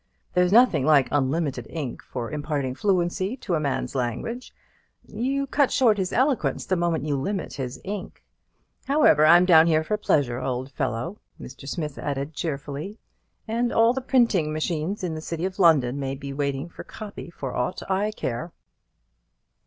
There's nothing like unlimited ink for imparting fluency to a man's language; you cut short his eloquence the moment you limit his ink. However, I'm down here for pleasure, old fellow," Mr. Smith added, cheerfully; "and all the printing machines in the city of London may be waiting for copy for aught I care."